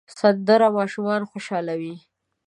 سندره ماشومان خوشحالوي